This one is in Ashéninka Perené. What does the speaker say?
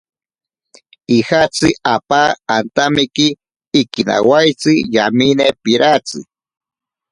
Ijatsi apa antamiki ikinawaitsi yamine piratsi.